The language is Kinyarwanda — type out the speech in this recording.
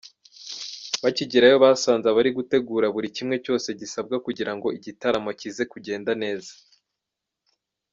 Bakigerayo basanze abari gutegura buri kimwe cyose gisabwa kugira ngo igitaramo kize kugenda neza.